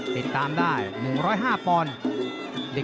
ติดตามได้๑๐๕ปอนด์